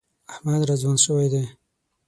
احمد را ځوان شوی دی.